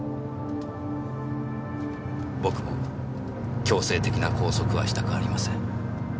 僕も強制的な拘束はしたくありません。